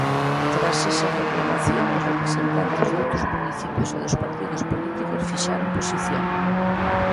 Tras esa reclamación os representantes doutros municipios e dos partidos políticos fixaron posición.